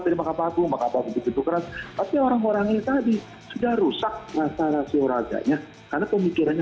terima kasih maka tapi orang orang yang tadi sudah rusak rasa rasioraganya karena pemikirannya